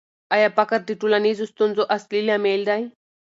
آیا فقر د ټولنیزو ستونزو اصلي لامل دی؟